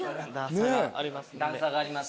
段差があります。